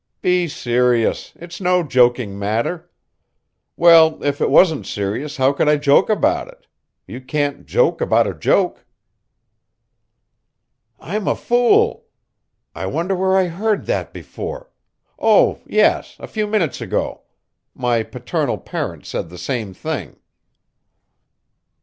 Be serious; it's no joking matter. Well, if it wasn't serious how could I joke about it? You can't joke about a joke. I'm a fool! I wonder where I heard that before. Oh, yes a few minutes ago. My paternal parent said the same thing.